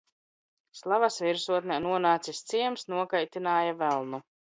Slavas virsotn? non?cis, ciems nokaitin?ja velnu.